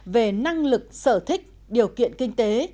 về năng lực sở thích điều kiện kinh tế